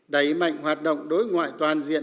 đẩy mạnh hoạt động đối ngoại toàn diện